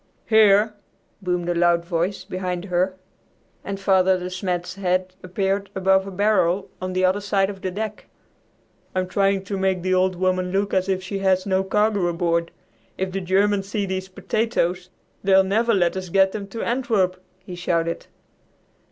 "Here!" boomed a loud voice behind her, and Father De Smet's head appeared above a barrel on the other side of the deck. "I'm trying to make the 'Old Woman' look as if she had no cargo aboard. If the Germans see these potatoes, they'll never let us get them to Antwerp," he shouted.